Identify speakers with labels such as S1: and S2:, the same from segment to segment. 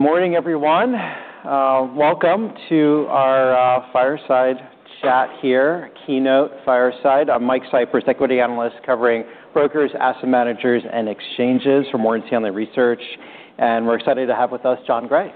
S1: Morning, everyone. Welcome to our fireside chat here, keynote fireside. I'm Mike Cyprys, Equity Analyst covering brokers, asset managers, and exchanges for Morgan Stanley Research. We're excited to have with us Jon Gray,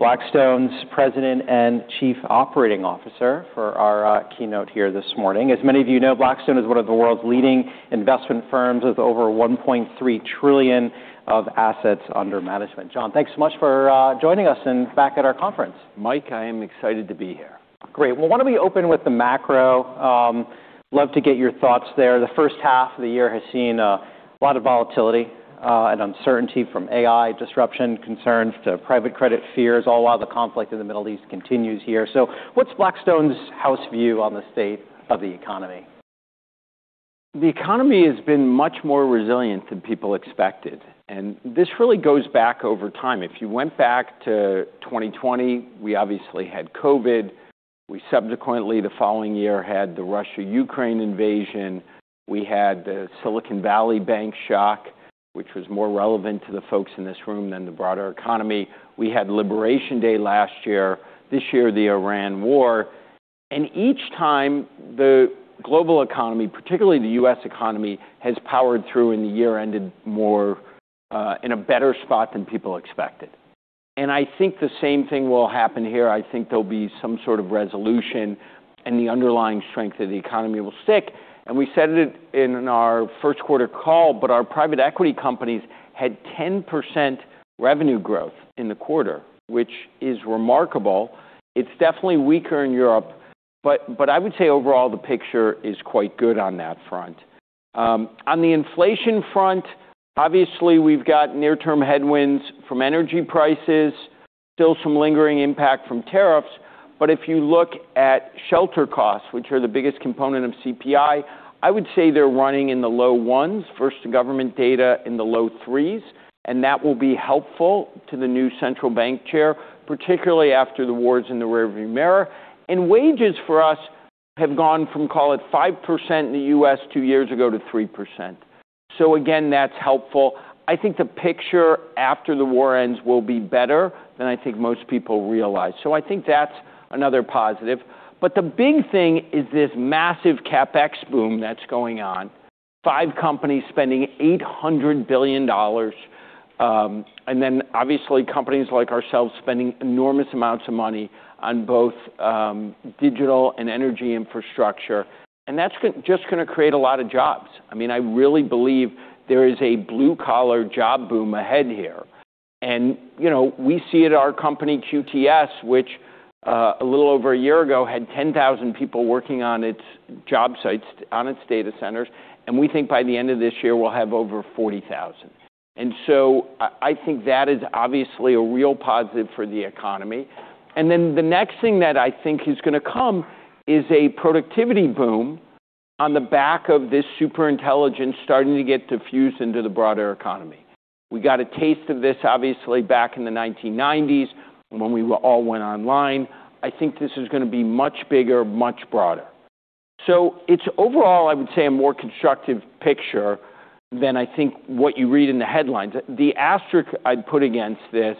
S1: Blackstone's President and Chief Operating Officer, for our keynote here this morning. As many of you know, Blackstone is one of the world's leading investment firms with over $1.3 trillion of assets under management. Jon, thanks so much for joining us and back at our conference.
S2: Mike, I am excited to be here.
S1: Great. Well, why don't we open with the macro? Love to get your thoughts there. The first half of the year has seen a lot of volatility and uncertainty from AI disruption concerns to private credit fears, all while the conflict in the Middle East continues here. What's Blackstone's house view on the state of the economy?
S2: The economy has been much more resilient than people expected. This really goes back over time. If you went back to 2020, we obviously had COVID. We subsequently, the following year, had the Russia-Ukraine invasion. We had the Silicon Valley Bank shock, which was more relevant to the folks in this room than the broader economy. We had Liberation Day last year, this year, the Iran war. Each time, the global economy, particularly the U.S. economy, has powered through, and the year ended more in a better spot than people expected. I think the same thing will happen here. I think there'll be some sort of resolution, and the underlying strength of the economy will stick. We said it in our first quarter call, but our private equity companies had 10% revenue growth in the quarter, which is remarkable. It's definitely weaker in Europe. I would say overall, the picture is quite good on that front. On the inflation front, obviously we've got near-term headwinds from energy prices, still some lingering impact from tariffs. If you look at shelter costs, which are the biggest component of CPI, I would say they're running in the low ones versus government data in the low threes, and that will be helpful to the new central bank chair, particularly after the war is in the rearview mirror. Wages for us have gone from, call it, 5% in the U.S. two years ago to 3%. Again, that's helpful. I think the picture after the war ends will be better than I think most people realize. I think that's another positive. The big thing is this massive CapEx boom that's going on. Five companies spending $800 billion, obviously companies like ourselves spending enormous amounts of money on both digital and energy infrastructure. That's just going to create a lot of jobs. I really believe there is a blue-collar job boom ahead here. We see at our company, QTS, which a little over a year ago had 10,000 people working on its job sites, on its data centers, and we think by the end of this year, we'll have over 40,000. I think that is obviously a real positive for the economy. The next thing that I think is going to come is a productivity boom on the back of this super intelligence starting to get diffused into the broader economy. We got a taste of this, obviously, back in the 1990s when we all went online. I think this is going to be much bigger, much broader. It's overall, I would say, a more constructive picture than I think what you read in the headlines. The asterisk I'd put against this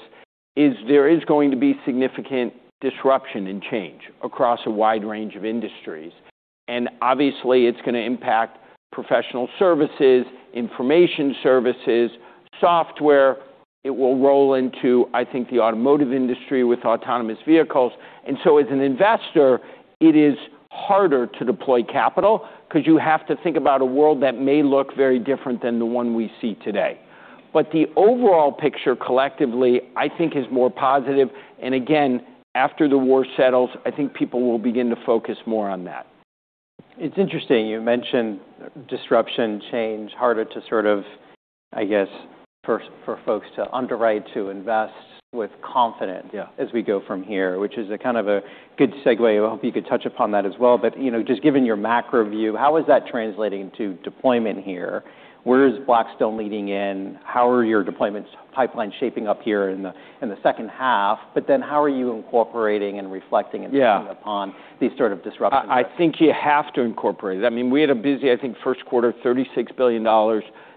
S2: is there is going to be significant disruption and change across a wide range of industries. Obviously, it's going to impact professional services, information services, software. It will roll into, I think, the automotive industry with autonomous vehicles. As an investor, it is harder to deploy capital because you have to think about a world that may look very different than the one we see today. The overall picture collectively, I think is more positive. Again, after the war settles, I think people will begin to focus more on that.
S1: It's interesting you mention disruption change, harder to sort of, I guess, for folks to underwrite, to invest with confidence-
S2: Yeah.
S1: As we go from here, which is a kind of a good segue. I hope you could touch upon that as well. Just given your macro view, how is that translating to deployment here? Where is Blackstone leading in? How are your deployments pipeline shaping up here in the second half? How are you incorporating and reflecting acting upon these sort of disruptions?
S2: I think you have to incorporate it. We had a busy, I think, first quarter, $36 billion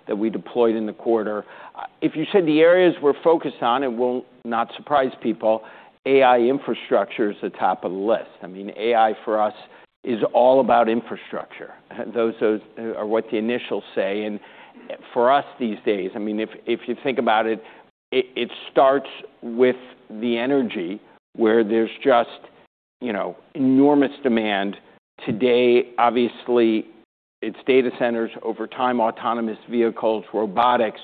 S2: that we deployed in the quarter. If you said the areas we're focused on, it will not surprise people, AI infrastructure is the top of the list. AI for us is all about infrastructure. Those are what the initials say. For us these days, if you think about it starts with the energy where there's just enormous demand. Today, obviously, it's data centers over time, autonomous vehicles, robotics.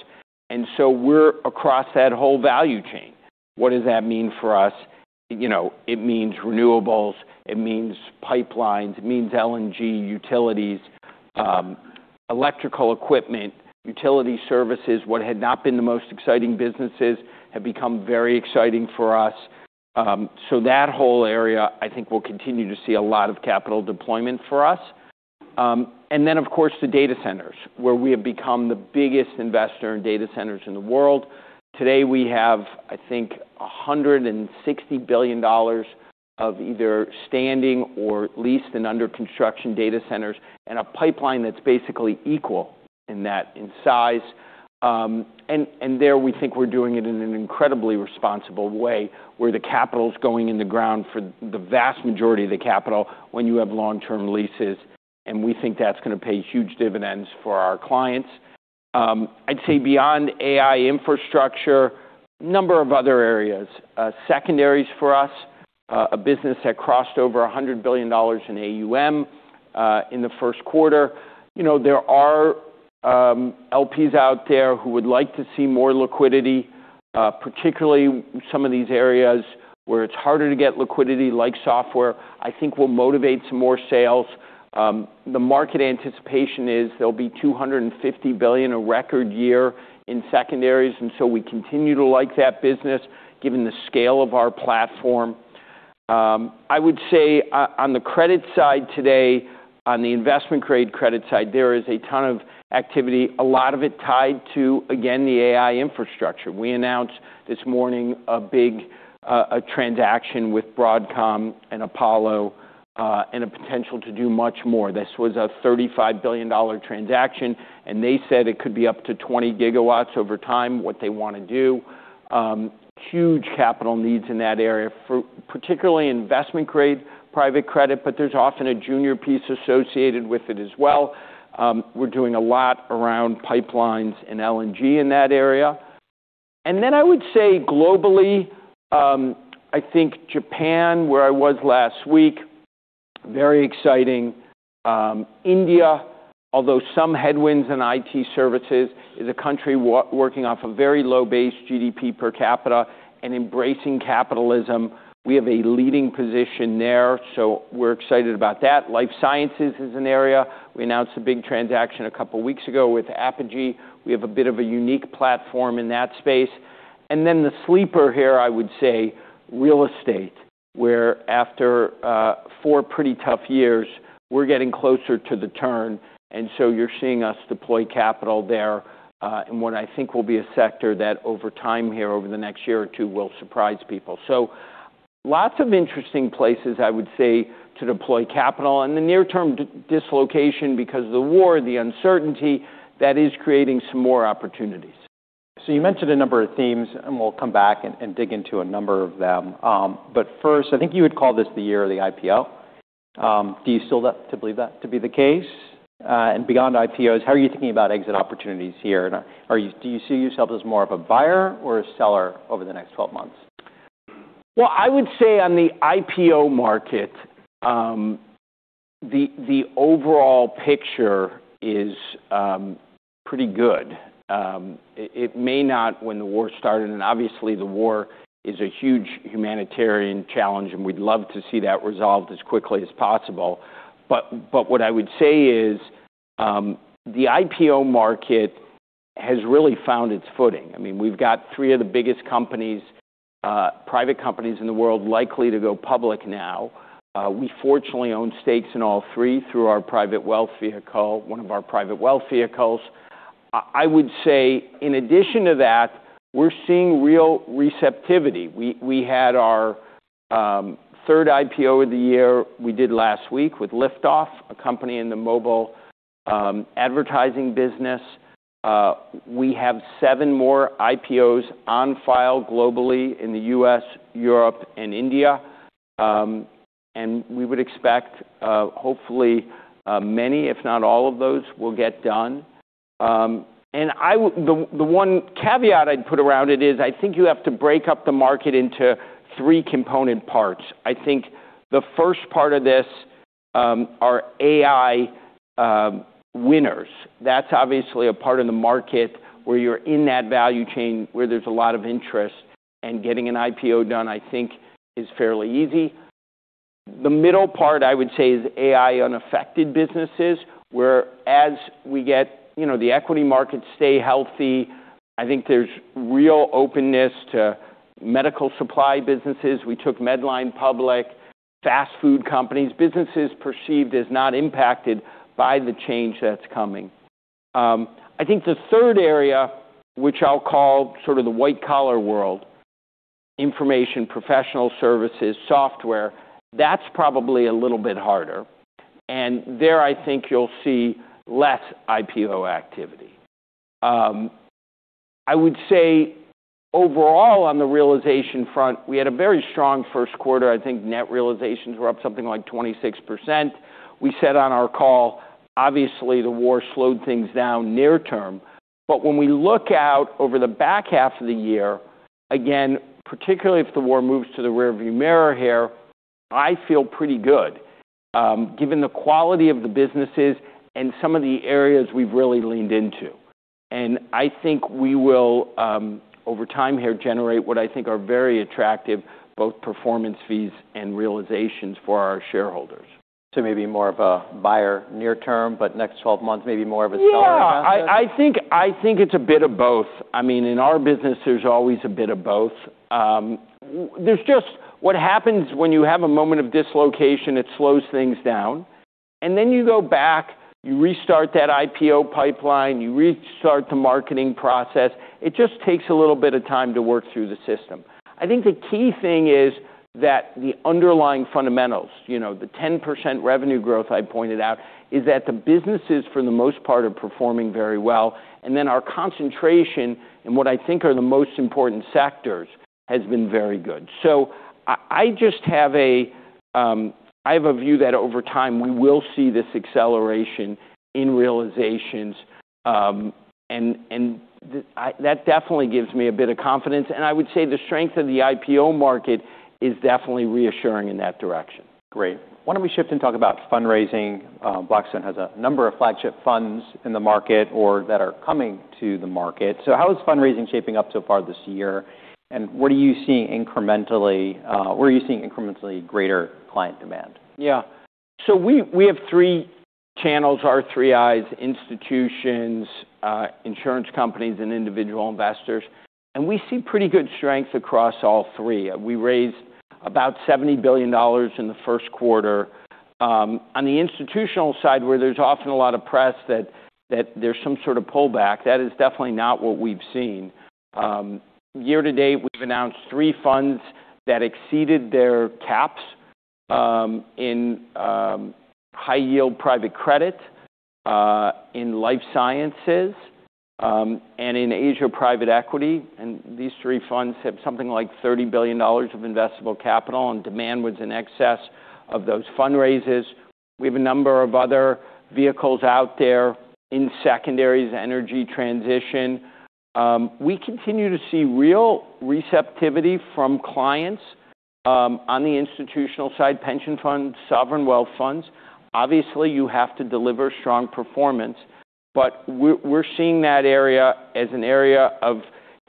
S2: We're across that whole value chain. What does that mean for us? It means renewables. It means pipelines. It means LNG utilities, electrical equipment, utility services. What had not been the most exciting businesses have become very exciting for us. That whole area, I think, will continue to see a lot of capital deployment for us. Of course, the data centers, where we have become the biggest investor in data centers in the world. Today, we have, I think, $160 billion of either standing or leased and under construction data centers, and a pipeline that's basically equal in that in size. There, we think we're doing it in an incredibly responsible way, where the capital's going in the ground for the vast majority of the capital when you have long-term leases, and we think that's going to pay huge dividends for our clients. I'd say beyond AI infrastructure, number of other areas. Secondaries for us, a business that crossed over $100 billion in AUM in the first quarter. There are LPs out there who would like to see more liquidity, particularly some of these areas where it's harder to get liquidity, like software, I think will motivate some more sales. The market anticipation is there'll be $250 billion, a record year in secondaries. We continue to like that business, given the scale of our platform. I would say on the credit side today, on the investment-grade credit side, there is a ton of activity, a lot of it tied to, again, the AI infrastructure. We announced this morning a big transaction with Broadcom and Apollo. A potential to do much more. This was a $35 billion transaction. They said it could be up to 20 GW over time, what they want to do. Huge capital needs in that area, for particularly investment-grade private credit. There's often a junior piece associated with it as well. We're doing a lot around pipelines in LNG in that area. I would say globally, I think Japan, where I was last week, very exciting. India, although some headwinds in IT services, is a country working off a very low base GDP per capita and embracing capitalism. We have a leading position there. We're excited about that. Life Sciences is an area. We announced a big transaction a couple of weeks ago with Apogee. We have a bit of a unique platform in that space. The sleeper here, I would say, real estate, where after four pretty tough years, we're getting closer to the turn. You're seeing us deploy capital there, in what I think will be a sector that over time here, over the next year or two, will surprise people. Lots of interesting places, I would say, to deploy capital. The near-term dislocation, because of the war, the uncertainty, that is creating some more opportunities.
S1: You mentioned a number of themes. We'll come back and dig into a number of them. First, I think you would call this the year of the IPO. Do you still believe that to be the case? Beyond IPOs, how are you thinking about exit opportunities here? Do you see yourself as more of a buyer or a seller over the next 12 months?
S2: Well, I would say on the IPO market, the overall picture is pretty good. It may not when the war started. Obviously the war is a huge humanitarian challenge. We'd love to see that resolved as quickly as possible. What I would say is the IPO market has really found its footing. We've got three of the biggest private companies in the world likely to go public now. We fortunately own stakes in all three through our private wealth vehicle, one of our private wealth vehicles. I would say in addition to that, we're seeing real receptivity. We had our third IPO of the year we did last week with Liftoff, a company in the mobile advertising business. We have seven more IPOs on file globally in the U.S., Europe, and India. We would expect hopefully many, if not all of those, will get done. The one caveat I'd put around it is I think you have to break up the market into three component parts. I think, the first part of this are AI winners. That's obviously a part of the market where you're in that value chain where there's a lot of interest, and getting an IPO done, I think, is fairly easy. The middle part, I would say, is AI-unaffected businesses, where as we get the equity markets stay healthy, I think there's real openness to medical supply businesses. We took Medline public. Fast food companies, businesses perceived as not impacted by the change that's coming. The third area, which I'll call sort of the white-collar world, information professional services, software, that's probably a little bit harder. There I think you'll see less IPO activity. I would say overall on the realization front, we had a very strong first quarter. I think net realizations were up something like 26%. We said on our call, obviously, the war slowed things down near term. When we look out over the back half of the year, again, particularly if the war moves to the rearview mirror here, I feel pretty good given the quality of the businesses and some of the areas we've really leaned into. I think we will, over time here, generate what I think are very attractive, both performance fees and realizations for our shareholders.
S1: Maybe more of a buyer near term, but next 12 months, maybe more of a seller approach there.
S2: Yeah. I think it's a bit of both. In our business, there's always a bit of both. There's just what happens when you have a moment of dislocation, it slows things down. Then you go back, you restart that IPO pipeline, you restart the marketing process. It just takes a little bit of time to work through the system. I think the key thing is that the underlying fundamentals, the 10% revenue growth I pointed out, is that the businesses for the most part are performing very well. Then our concentration in what I think are the most important sectors has been very good. I have a view that over time we will see this acceleration in realizations, that definitely gives me a bit of confidence. I would say the strength of the IPO market is definitely reassuring in that direction.
S1: Great. Why don't we shift and talk about fundraising? Blackstone has a number of flagship funds in the market or that are coming to the market. How is fundraising shaping up so far this year? What are you seeing incrementally greater client demand?
S2: Yeah. We have three channels, our three Is, institutions, insurance companies, and individual investors, and we see pretty good strength across all three. We raised about $70 billion in the first quarter. On the institutional side, where there's often a lot of press that there's some sort of pullback, that is definitely not what we've seen. Year-to-date, we've announced three funds that exceeded their caps, in high-yield private credit, in Life Sciences, and in Asia private equity, and these three funds have something like $30 billion of investable capital, and demand was in excess of those fundraisers. We have a number of other vehicles out there in secondaries, energy transition. We continue to see real receptivity from clients, on the institutional side, pension funds, sovereign wealth funds. Obviously, you have to deliver strong performance. We're seeing that area as an area of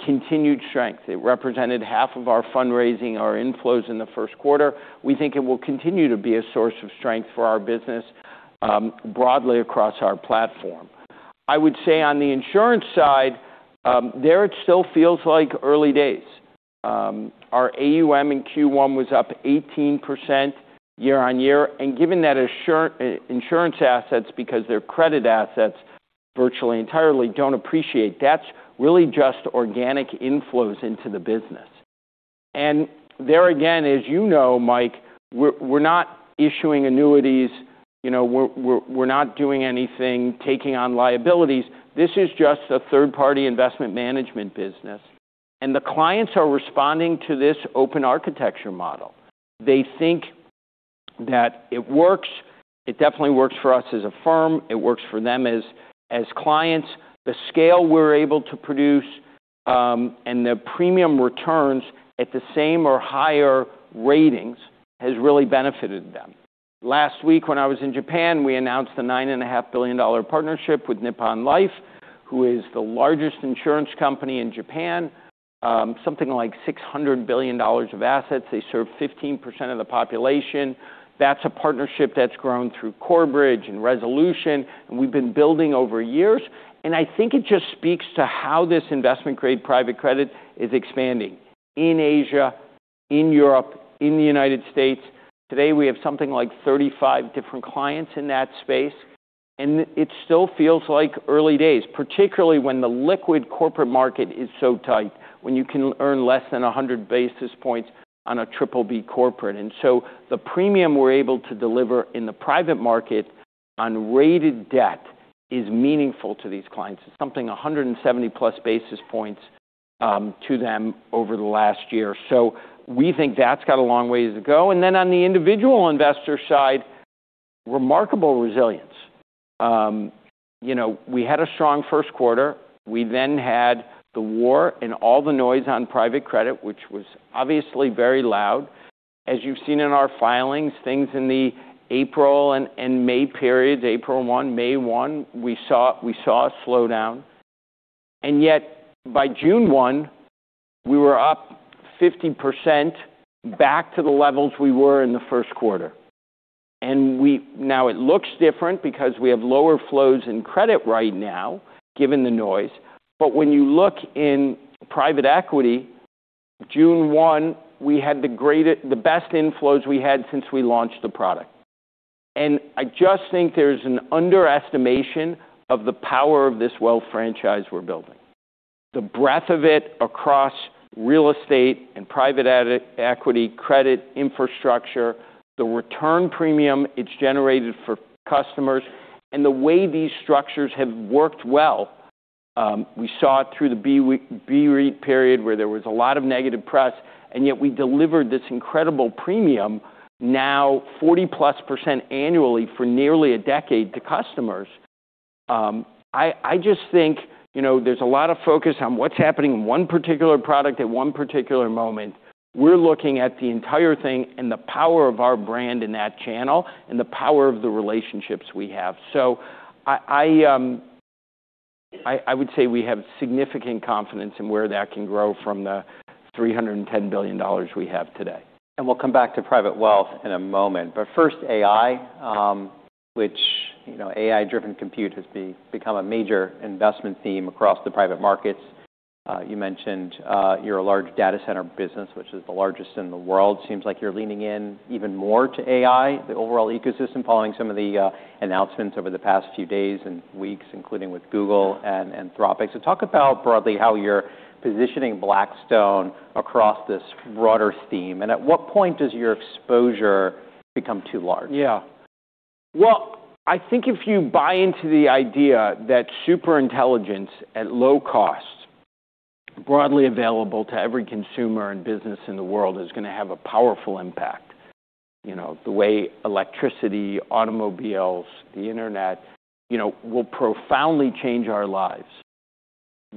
S2: continued strength. It represented half of our fundraising, our inflows in the first quarter. We think it will continue to be a source of strength for our business, broadly across our platform. I would say on the insurance side, there it still feels like early days. Our AUM in Q1 was up 18% year-on-year. Given that insurance assets, because they're credit assets, virtually entirely don't appreciate, that's really just organic inflows into the business. There again, as you know, Mike, we're not issuing annuities. We're not doing anything, taking on liabilities. This is just a third-party investment management business. The clients are responding to this open architecture model. They think that it works. It definitely works for us as a firm. It works for them as clients. The scale we're able to produce, the premium returns at the same or higher ratings has really benefited them. Last week when I was in Japan, we announced a $9.5 billion partnership with Nippon Life, who is the largest insurance company in Japan, something like $600 billion of assets. They serve 15% of the population. That's a partnership that's grown through Corebridge and Resolution. We've been building over years. I think it just speaks to how this investment-grade private credit is expanding in Asia, in Europe, in the United States. Today, we have something like 35 different clients in that space. It still feels like early days, particularly when the liquid corporate market is so tight, when you can earn less than 100 basis points on a BBB corporate. The premium we're able to deliver in the private market on rated debt is meaningful to these clients. It's something 170+ basis points to them over the last year. We think that's got a long way to go. On the individual investor side, remarkable resilience. We had a strong first quarter. We had the war and all the noise on private credit, which was obviously very loud. As you've seen in our filings, things in the April and May periods, April 1, May 1, we saw a slowdown. Yet by June 1, we were up 50% back to the levels we were in the first quarter. Now it looks different because we have lower flows in credit right now, given the noise. When you look in private equity, June 1, we had the best inflows we had since we launched the product. I just think there's an underestimation of the power of this wealth franchise we're building. The breadth of it across real estate and private equity, credit, infrastructure, the return premium it's generated for customers, the way these structures have worked well. We saw it through the BREIT period where there was a lot of negative press, yet we delivered this incredible premium, now 40%+ annually for nearly a decade to customers. I just think there's a lot of focus on what's happening in one particular product at one particular moment. We're looking at the entire thing and the power of our brand in that channel, and the power of the relationships we have. I would say we have significant confidence in where that can grow from the $310 billion we have today.
S1: We'll come back to private wealth in a moment. First, AI, which AI-driven compute has become a major investment theme across the private markets. You mentioned your large data center business, which is the largest in the world. Seems like you're leaning in even more to AI, the overall ecosystem, following some of the announcements over the past few days and weeks, including with Google and Anthropic. Talk about broadly how you're positioning Blackstone across this broader theme, and at what point does your exposure become too large?
S2: Yeah. Well, I think if you buy into the idea that super intelligence at low cost, broadly available to every consumer and business in the world, is going to have a powerful impact. The way electricity, automobiles, the internet, will profoundly change our lives,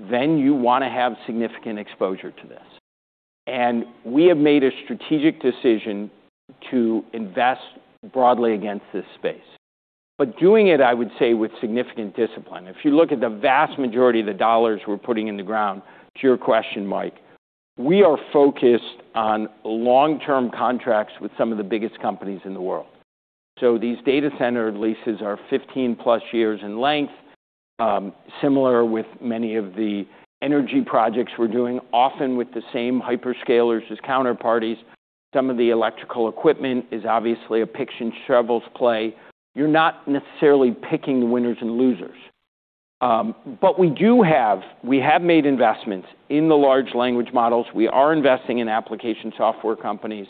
S2: then you want to have significant exposure to this. We have made a strategic decision to invest broadly against this space. Doing it, I would say, with significant discipline. If you look at the vast majority of the dollars we're putting in the ground, to your question, Mike, we are focused on long-term contracts with some of the biggest companies in the world. These data center leases are 15+ years in length, similar with many of the energy projects we're doing, often with the same hyperscalers as counterparties. Some of the electrical equipment is obviously a picks and shovels play. You're not necessarily picking the winners and losers. We do have made investments in the large language models. We are investing in application software companies.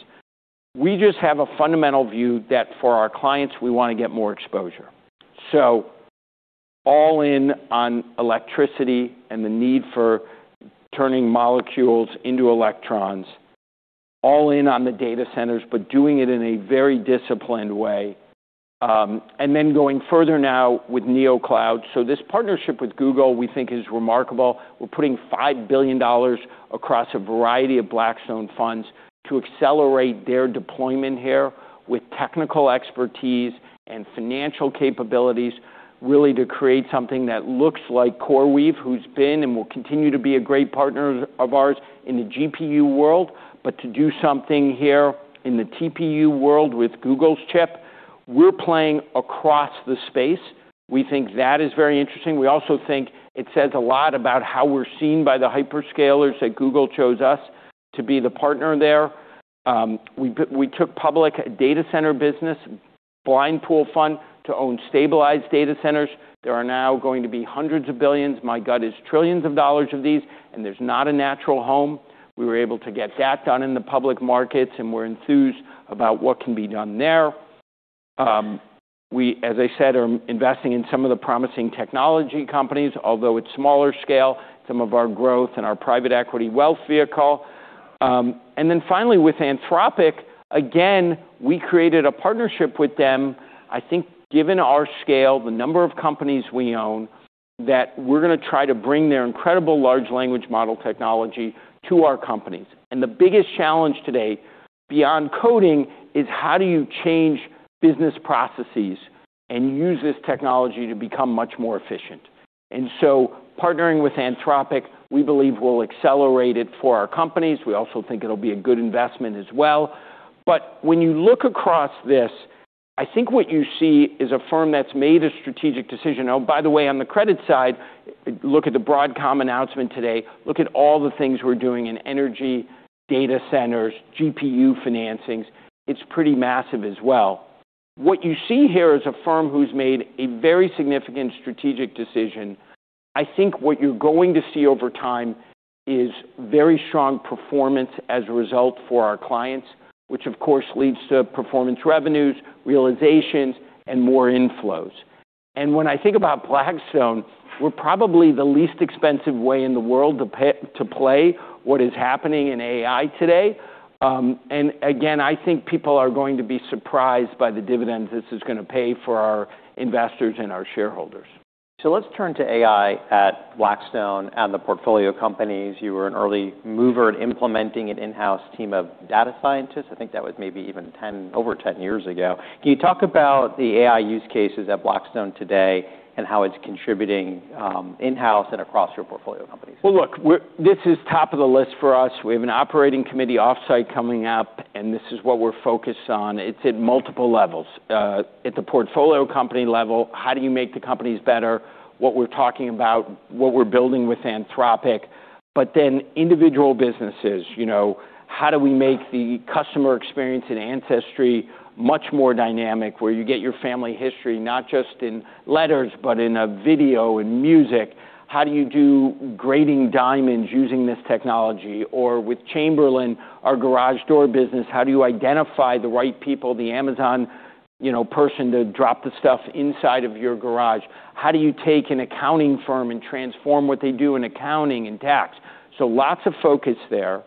S2: We just have a fundamental view that for our clients, we want to get more exposure. All in on electricity and the need for turning molecules into electrons, all in on the data centers, but doing it in a very disciplined way. Going further now with NeoCloud. This partnership with Google, we think is remarkable. We're putting $5 billion across a variety of Blackstone funds to accelerate their deployment here with technical expertise and financial capabilities, really to create something that looks like CoreWeave, who's been and will continue to be a great partner of ours in the GPU world. But to do something here in the TPU world with Google's chip, we're playing across the space. We think that is very interesting. We also think it says a lot about how we're seen by the hyperscalers that Google chose us to be the partner there. We took public data center business, blind pool fund to own stabilized data centers. There are now going to be hundreds of billions, my gut is trillions of dollars of these, and there's not a natural home. We were able to get that done in the public markets, and we're enthused about what can be done there. We, as I said, are investing in some of the promising technology companies, although it's smaller scale, some of our growth and our private equity wealth vehicle. Finally, with Anthropic, again, we created a partnership with them. I think given our scale, the number of companies we own, that we're going to try to bring their incredible large language model technology to our companies. The biggest challenge today beyond coding is how do you change business processes and use this technology to become much more efficient. Partnering with Anthropic, we believe will accelerate it for our companies. We also think it'll be a good investment as well. When you look across this, I think what you see is a firm that's made a strategic decision. Oh, by the way, on the credit side, look at the Broadcom announcement today. Look at all the things we're doing in energy, data centers, GPU financings. It's pretty massive as well. What you see here is a firm who's made a very significant strategic decision. I think what you're going to see over time is very strong performance as a result for our clients, which of course, leads to performance revenues, realizations, and more inflows. When I think about Blackstone, we're probably the least expensive way in the world to play what is happening in AI today. Again, I think people are going to be surprised by the dividends this is going to pay for our investors and our shareholders.
S1: Let's turn to AI at Blackstone and the portfolio companies. You were an early mover in implementing an in-house team of data scientists. I think that was maybe even over 10 years ago. Can you talk about the AI use cases at Blackstone today and how it's contributing in-house and across your portfolio companies?
S2: Well, look, this is top of the list for us. We have an operating committee off-site coming up, and this is what we're focused on. It's at multiple levels. At the portfolio company level, how do you make the companies better? What we're talking about, what we're building with Anthropic, but then individual businesses. How do we make the customer experience in Ancestry much more dynamic, where you get your family history, not just in letters, but in a video, in music? How do you do grading diamonds using this technology? Or with Chamberlain, our garage door business, how do you identify the right people, the Amazon person to drop the stuff inside of your garage? How do you take an accounting firm and transform what they do in accounting and tax? Lots of focus there.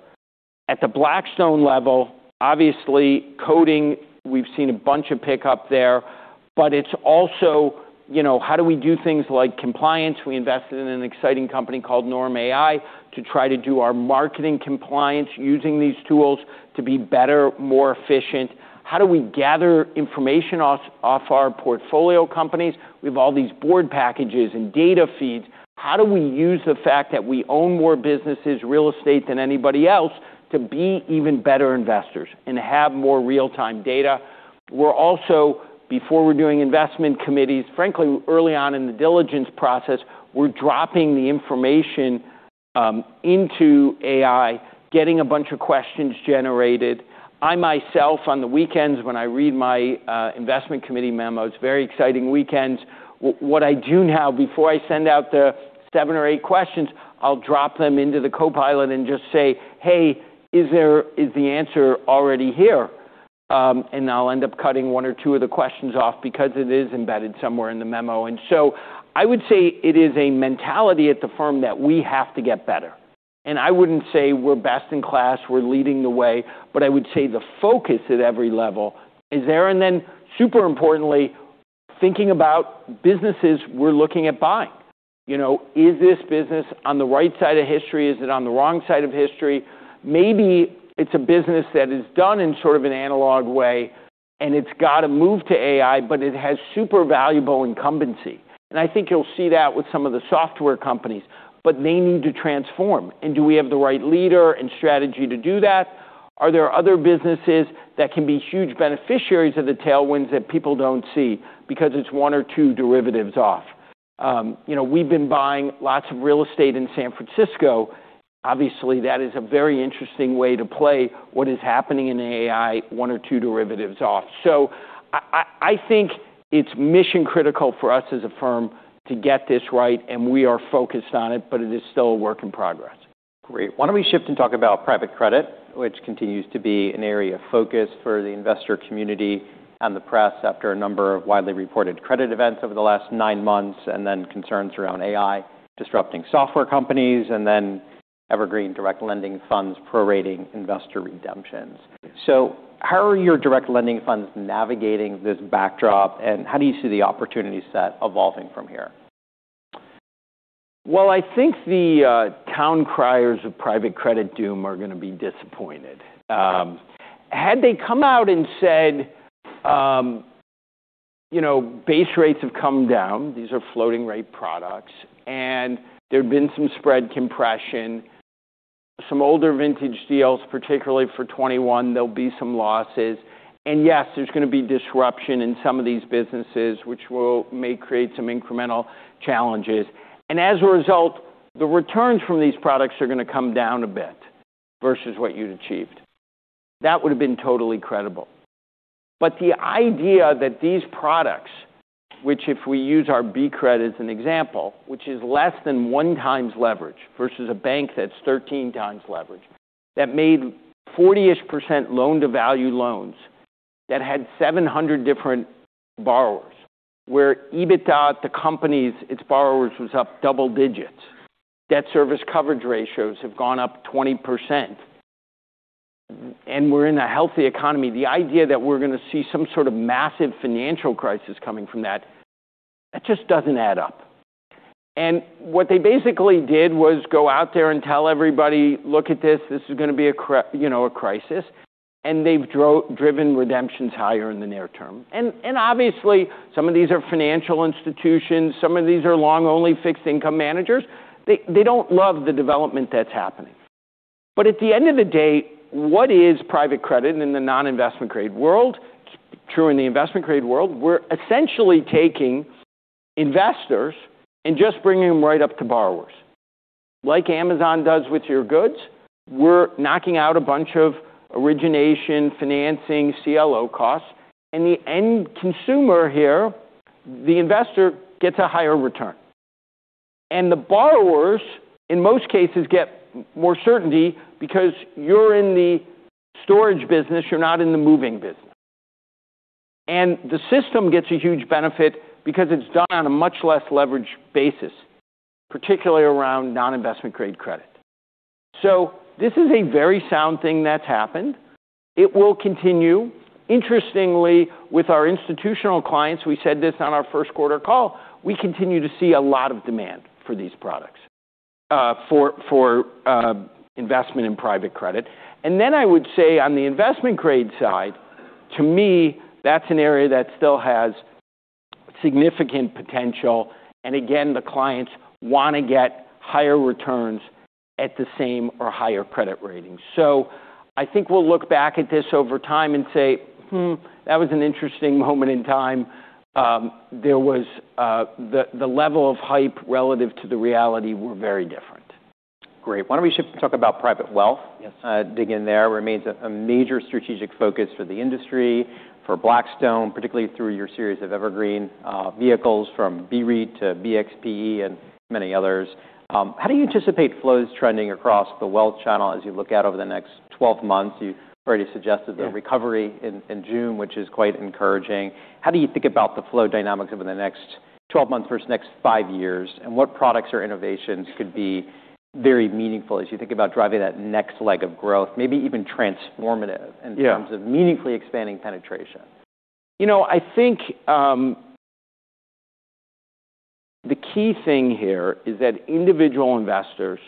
S2: At the Blackstone level, obviously coding, we've seen a bunch of pickup there, but it's also how do we do things like compliance? We invested in an exciting company called Norm Ai to try to do our marketing compliance using these tools to be better, more efficient. How do we gather information off our portfolio companies? We have all these board packages and data feeds. How do we use the fact that we own more businesses, real estate than anybody else. To be even better investors and have more real-time data. We're also, before we're doing investment committees, frankly, early on in the diligence process, we're dropping the information into AI, getting a bunch of questions generated. I myself, on the weekends when I read my investment committee memos, very exciting weekends. What I do now, before I send out the seven or eight questions, I'll drop them into the Copilot and just say, "Hey, is the answer already here?" I'll end up cutting one or two of the questions off because it is embedded somewhere in the memo. I would say it is a mentality at the firm that we have to get better. I wouldn't say we're best in class, we're leading the way, but I would say the focus at every level is there. Then super importantly, thinking about businesses we're looking at buying. Is this business on the right side of history? Is it on the wrong side of history? Maybe it's a business that is done in sort of an analog way and it's got to move to AI, but it has super valuable incumbency. I think you'll see that with some of the software companies. They need to transform. Do we have the right leader and strategy to do that? Are there other businesses that can be huge beneficiaries of the tailwinds that people don't see because it's one or two derivatives off? We've been buying lots of real estate in San Francisco. Obviously, that is a very interesting way to play what is happening in AI, one or two derivatives off. I think it's mission-critical for us as a firm to get this right, and we are focused on it, but it is still a work in progress.
S1: Great. Why don't we shift and talk about private credit, which continues to be an area of focus for the investor community and the press after a number of widely reported credit events over the last nine months, concerns around AI disrupting software companies, and evergreen direct lending funds prorating investor redemptions. How are your direct lending funds navigating this backdrop, and how do you see the opportunity set evolving from here?
S2: Well, I think the town criers of private credit doom are going to be disappointed. Had they come out and said base rates have come down, these are floating rate products, and there'd been some spread compression, some older vintage deals, particularly for 2021, there'll be some losses. Yes, there's going to be disruption in some of these businesses, which may create some incremental challenges. As a result, the returns from these products are going to come down a bit versus what you'd achieved. That would have been totally credible. The idea that these products, which if we use our BCRED as an example, which is less than 1x leverage versus a bank that's 13x leverage, that made 40%-ish loan-to-value loans, that had 700 different borrowers, where EBITDA at the companies, its borrowers was up double-digits. Debt service coverage ratios have gone up 20%. We're in a healthy economy. The idea that we're going to see some sort of massive financial crisis coming from that just doesn't add up. What they basically did was go out there and tell everybody, "Look at this. This is going to be a crisis." They've driven redemptions higher in the near term. Obviously, some of these are financial institutions, some of these are long-only fixed-income managers. They don't love the development that's happening. At the end of the day, what is private credit in the non-investment-grade world? It's true in the investment-grade world. We're essentially taking investors and just bringing them right up to borrowers. Like Amazon does with your goods, we're knocking out a bunch of origination, financing, CLO costs, and the end consumer here, the investor, gets a higher return. The borrowers, in most cases, get more certainty because you're in the storage business, you're not in the moving business. The system gets a huge benefit because it's done on a much less leveraged basis, particularly around non-investment grade credit. This is a very sound thing that's happened. It will continue. Interestingly, with our institutional clients, we said this on our first quarter call, we continue to see a lot of demand for these products, for investment in private credit. Then I would say on the investment-grade side, to me, that's an area that still has significant potential, and again, the clients want to get higher returns at the same or higher credit ratings. I think we'll look back at this over time and say, "Hmm, that was an interesting moment in time." The level of hype relative to the reality were very different.
S1: Great. Why don't we shift and talk about private wealth?
S2: Yes.
S1: Dig in there. Remains a major strategic focus for the industry, for Blackstone, particularly through your series of evergreen vehicles from BREIT to BXPE and many others. How do you anticipate flows trending across the wealth channel as you look out over the next 12 months? You've already suggested the recovery in June, which is quite encouraging. How do you think about the flow dynamics over the next 12 months versus next five years, and what products or innovations could be very meaningful as you think about driving that next leg of growth, maybe even transformative in terms of meaningfully expanding penetration?
S2: I think the key thing here is that individual investors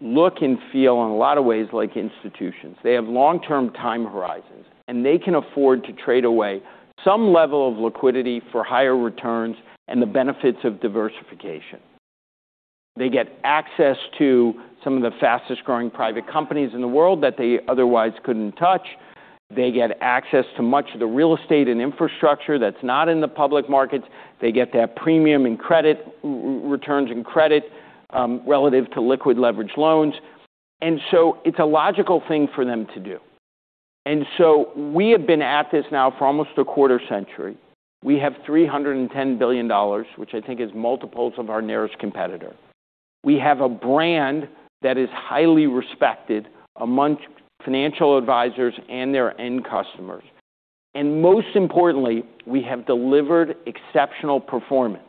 S2: look and feel in a lot of ways like institutions. They have long-term time horizons, and they can afford to trade away some level of liquidity for higher returns and the benefits of diversification. They get access to some of the fastest-growing private companies in the world that they otherwise couldn't touch. They get access to much of the real estate and infrastructure that's not in the public markets. They get that premium in credit, returns in credit, relative to liquid leverage loans. It's a logical thing for them to do. We have been at this now for almost a quarter-century. We have $310 billion, which I think is multiples of our nearest competitor. We have a brand that is highly respected amongst financial advisors and their end customers. Most importantly, we have delivered exceptional performance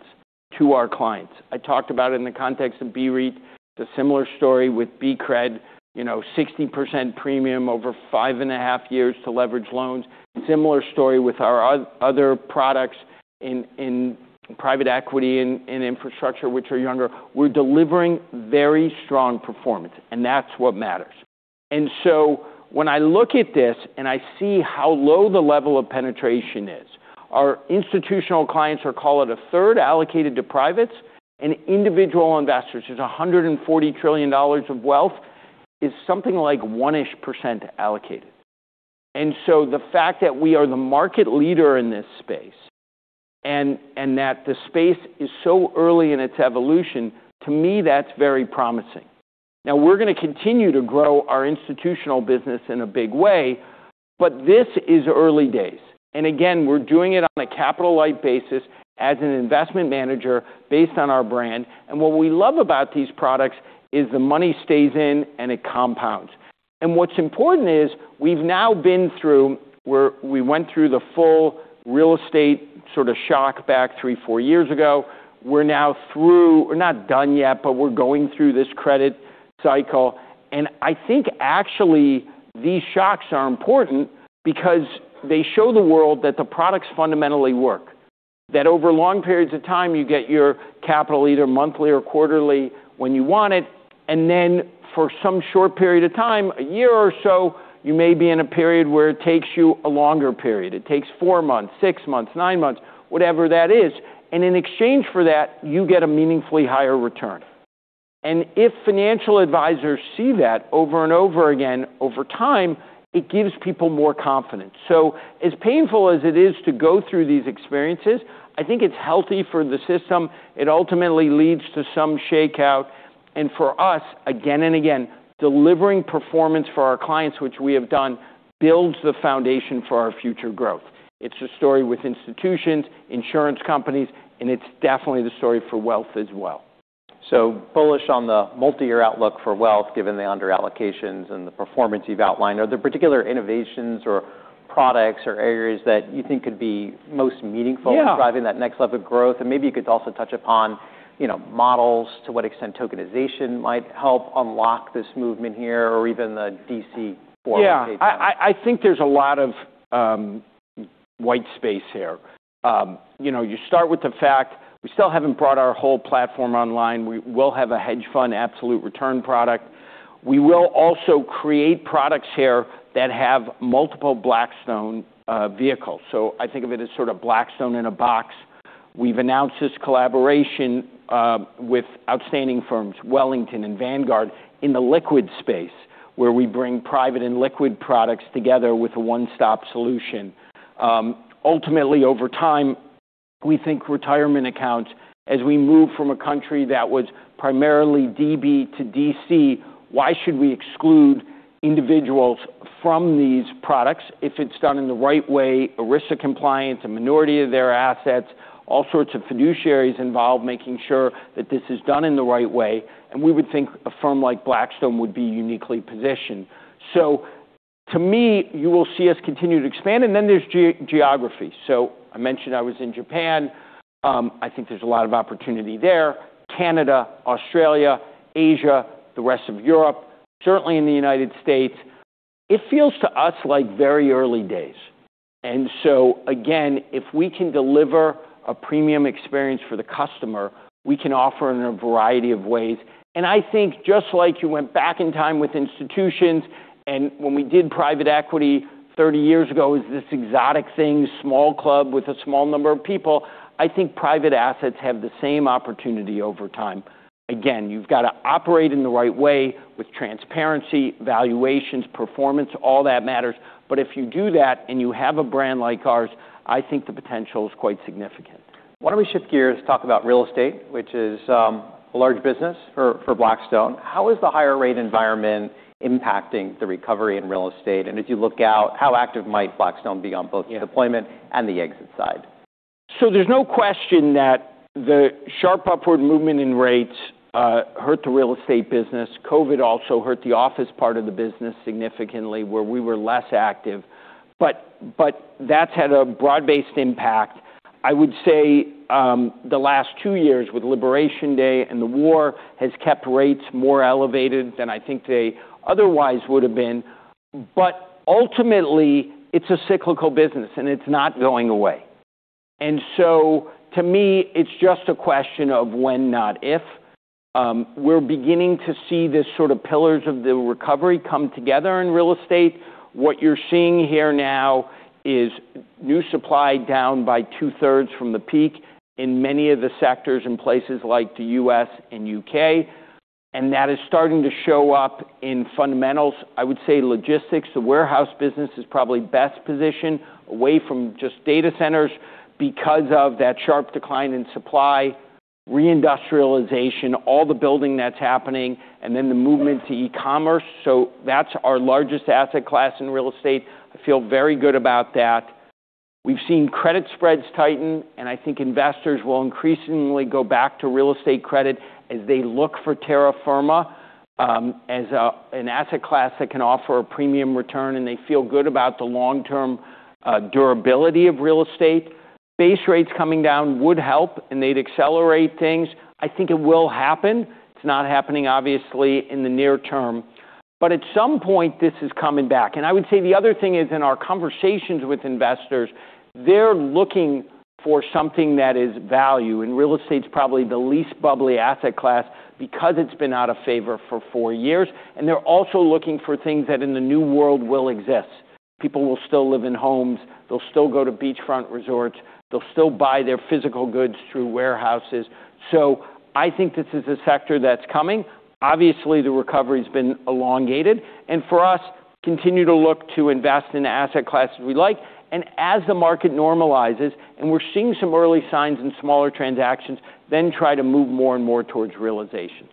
S2: to our clients. I talked about it in the context of BREIT. It's a similar story with BCRED, 60% premium over 5.5 years to leverage loans. Similar story with our other products in private equity and infrastructure, which are younger. We're delivering very strong performance, and that's what matters. When I look at this and I see how low the level of penetration is, our institutional clients are, call it a third, allocated to privates, and individual investors, there's $140 trillion of wealth, is something like 1%-ish allocated. The fact that we are the market leader in this space and that the space is so early in its evolution, to me, that's very promising. Now we're going to continue to grow our institutional business in a big way. This is early days, and again, we're doing it on a capital-light basis as an investment manager based on our brand. What we love about these products is the money stays in, and it compounds. What's important is we went through the full real estate sort of shock back three, four years ago. We're not done yet, but we're going through this credit cycle. I think actually these shocks are important because they show the world that the products fundamentally work. That over long periods of time, you get your capital either monthly or quarterly when you want it, and then for some short period of time, a year or so, you may be in a period where it takes you a longer period. It takes four months, six months, nine months, whatever that is. In exchange for that, you get a meaningfully higher return. If financial advisors see that over and over again over time, it gives people more confidence. As painful as it is to go through these experiences, I think it's healthy for the system. It ultimately leads to some shakeout. For us, again and again, delivering performance for our clients, which we have done, builds the foundation for our future growth. It's a story with institutions, insurance companies, and it's definitely the story for wealth as well.
S1: Bullish on the multi-year outlook for wealth given the under-allocations and the performance you've outlined. Are there particular innovations or products or areas that you think could be most meaningful in driving that next level of growth? Maybe you could also touch upon models, to what extent tokenization might help unlock this movement here, or even the DC format.
S2: Yeah. I think there's a lot of white space here. You start with the fact we still haven't brought our whole platform online. We will have a hedge fund absolute return product. We will also create products here that have multiple Blackstone vehicles. I think of it as sort of Blackstone in a box. We've announced this collaboration with outstanding firms, Wellington and Vanguard, in the liquid space, where we bring private and liquid products together with a one-stop solution. Ultimately, over time, we think retirement accounts, as we move from a country that was primarily DB to DC, why should we exclude individuals from these products if it's done in the right way, ERISA compliant, a minority of their assets, all sorts of fiduciaries involved, making sure that this is done in the right way. We would think a firm like Blackstone would be uniquely positioned. To me, you will see us continue to expand. There's geography. I mentioned I was in Japan. I think there's a lot of opportunity there. Canada, Australia, Asia, the rest of Europe, certainly in the United States. It feels to us like very early days. Again, if we can deliver a premium experience for the customer, we can offer in a variety of ways. I think just like you went back in time with institutions, when we did private equity 30 years ago, it was this exotic thing, small club with a small number of people. I think private assets have the same opportunity over time. Again, you've got to operate in the right way with transparency, valuations, performance, all that matters. If you do that and you have a brand like ours, I think the potential is quite significant.
S1: Why don't we shift gears, talk about real estate, which is a large business for Blackstone. How is the higher rate environment impacting the recovery in real estate? As you look out, how active might Blackstone be on both deployment and the exit side?
S2: There's no question that the sharp upward movement in rates hurt the real estate business. COVID also hurt the office part of the business significantly, where we were less active. That's had a broad-based impact. I would say the last two years with Liberation Day and the war has kept rates more elevated than I think they otherwise would have been. Ultimately, it's a cyclical business, and it's not going away. To me, it's just a question of when, not if. We're beginning to see the sort of pillars of the recovery come together in real estate. What you're seeing here now is new supply down by 2/3 from the peak in many of the sectors in places like the U.S. and U.K. That is starting to show up in fundamentals. I would say logistics, the warehouse business is probably best positioned away from just data centers because of that sharp decline in supply, re-industrialization, all the building that's happening, the movement to e-commerce. That's our largest asset class in real estate. I feel very good about that. We've seen credit spreads tighten, I think investors will increasingly go back to real estate credit as they look for terra firma, as an asset class that can offer a premium return, and they feel good about the long-term durability of real estate. Base rates coming down would help, they'd accelerate things. I think it will happen. It's not happening, obviously, in the near term. At some point, this is coming back. I would say the other thing is in our conversations with investors, they're looking for something that is value, and real estate's probably the least bubbly asset class because it's been out of favor for four years, and they're also looking for things that in the new world will exist. People will still live in homes. They'll still go to beachfront resorts. They'll still buy their physical goods through warehouses. I think this is a sector that's coming. Obviously, the recovery's been elongated, and for us, continue to look to invest in asset classes we like. As the market normalizes, and we're seeing some early signs in smaller transactions, then try to move more and more towards realizations.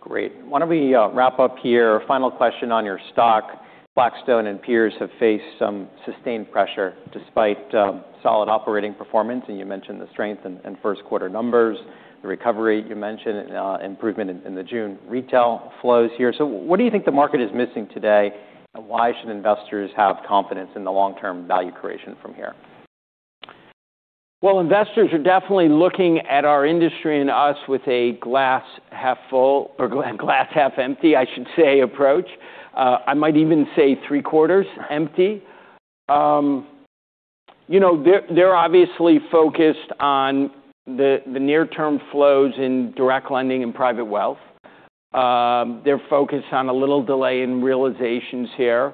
S1: Great. Why don't we wrap up here? Final question on your stock. Blackstone and peers have faced some sustained pressure despite solid operating performance, and you mentioned the strength in first quarter numbers. The recovery, you mentioned improvement in the June retail flows here. What do you think the market is missing today? Why should investors have confidence in the long-term value creation from here?
S2: Well, investors are definitely looking at our industry and us with a glass half full or glass half empty, I should say, approach. I might even say three quarters empty. They're obviously focused on the near-term flows in direct lending and private wealth. They're focused on a little delay in realizations here.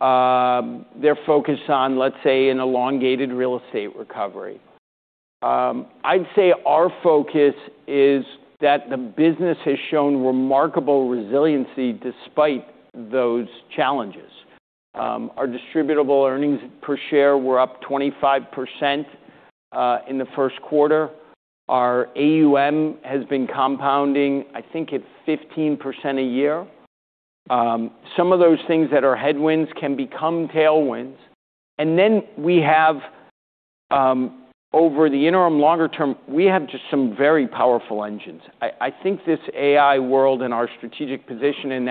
S2: They're focused on, let's say, an elongated real estate recovery. I'd say our focus is that the business has shown remarkable resiliency despite those challenges. Our distributable earnings per share were up 25% in the first quarter. Our AUM has been compounding, I think at 15% a year. Some of those things that are headwinds can become tailwinds. Then we have over the interim longer term, we have just some very powerful engines. I think this AI world and our strategic position in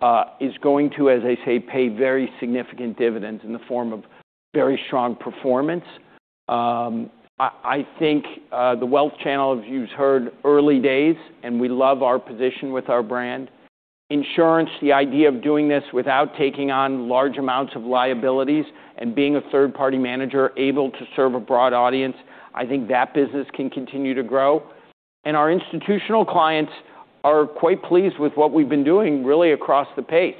S2: that world is going to, as I say, pay very significant dividends in the form of very strong performance. I think the wealth channel, as you've heard, early days, and we love our position with our brand. Insurance, the idea of doing this without taking on large amounts of liabilities and being a third-party manager able to serve a broad audience, I think that business can continue to grow. Our institutional clients are quite pleased with what we've been doing really across the pace.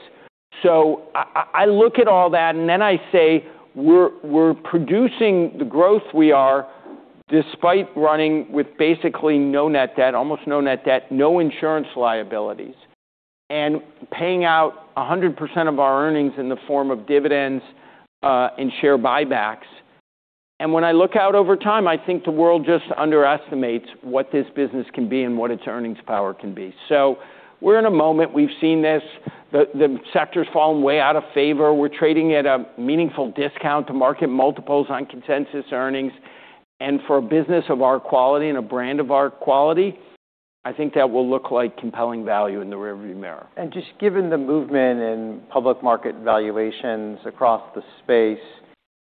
S2: I look at all that, and then I say we're producing the growth we are despite running with basically no net debt, almost no net debt, no insurance liabilities, and paying out 100% of our earnings in the form of dividends, and share buybacks. When I look out over time, I think the world just underestimates what this business can be and what its earnings power can be. We're in a moment. We've seen this. The sector's fallen way out of favor. We're trading at a meaningful discount to market multiples on consensus earnings. For a business of our quality and a brand of our quality, I think that will look like compelling value in the rearview mirror.
S1: Just given the movement in public market valuations across the space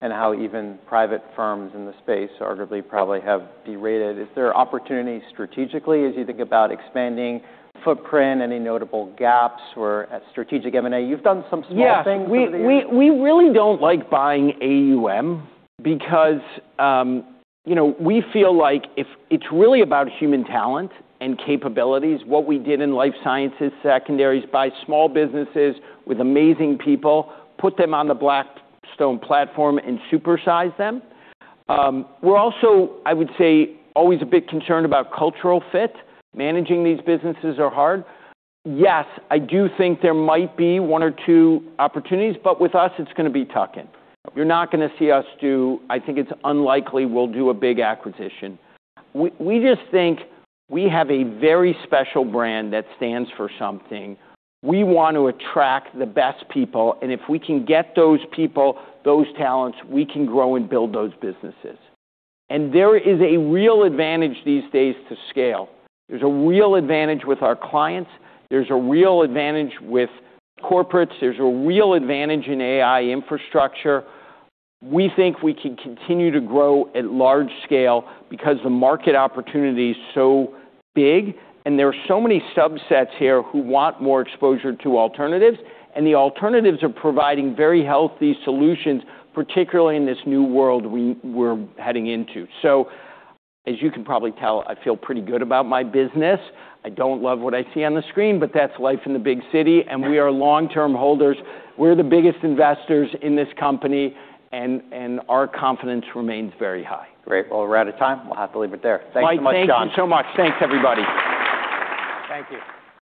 S1: and how even private firms in the space arguably probably have derated, is there opportunity strategically as you think about expanding footprint, any notable gaps or strategic M&A? You've done some small things over the years.
S2: Yeah. We really don't like buying AUM because we feel like if it's really about human talent and capabilities, what we did in Life Sciences, secondaries, buy small businesses with amazing people, put them on the Blackstone platform and supersize them. We're also, I would say, always a bit concerned about cultural fit. Managing these businesses are hard. Yes, I do think there might be one or two opportunities, but with us, it's going to be tucking. I think it's unlikely we'll do a big acquisition. We just think we have a very special brand that stands for something. We want to attract the best people, and if we can get those people, those talents, we can grow and build those businesses. There is a real advantage these days to scale. There's a real advantage with our clients. There's a real advantage with corporates. There's a real advantage in AI infrastructure. We think we can continue to grow at large scale because the market opportunity is so big, and there are so many subsets here who want more exposure to alternatives. The alternatives are providing very healthy solutions, particularly in this new world we're heading into. As you can probably tell, I feel pretty good about my business. I don't love what I see on the screen, but that's life in the big city, and we are long-term holders. We're the biggest investors in this company, and our confidence remains very high.
S1: Great. Well, we're out of time. We'll have to leave it there. Thanks so much, Jon.
S2: Mike, thank you so much. Thanks, everybody. Thank you.